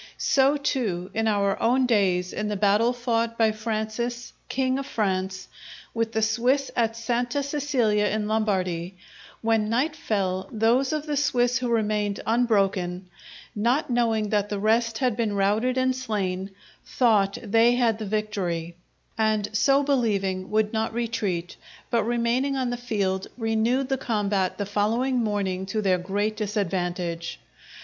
So too, in our own days, in the battle fought by Francis, king of France, with the Swiss at Santa Cecilia in Lombardy, when night fell, those of the Swiss who remained unbroken, not knowing that the rest had been routed and slain, thought they had the victory; and so believing would not retreat, but, remaining on the field, renewed the combat the following morning to their great disadvantage.